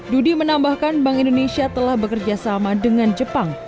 dudi menambahkan bank indonesia telah bekerja sama dengan jepang